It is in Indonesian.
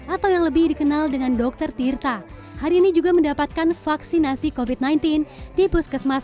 atau yang lebih dikenal dengan dokter tirta hari ini juga mendapatkan vaksinasi covid sembilan belas di puskesmas